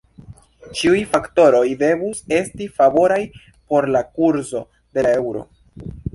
Ĉiuj faktoroj devus esti favoraj por la kurzo de la eŭro.